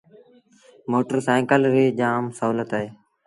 موٽر سآئيٚڪل ريٚ جآم سولت اهي۔